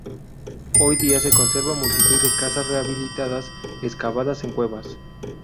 Hoy día se conservan multitud de casas rehabilitadas excavadas en cuevas.